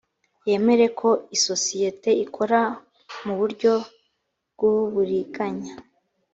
yemere ko isosiyete ikora mu buryo bw uburiganya